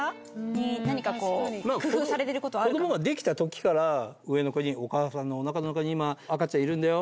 子供ができた時から上の子に「お母さんのお腹の中に今赤ちゃんいるんだよ。